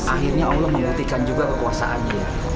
akhirnya allah menghentikan juga kekuasaannya